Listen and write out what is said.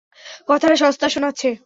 কথাটা সস্তা শোনাচ্ছে।